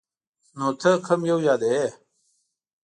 نو ته کوم یو یادوې ؟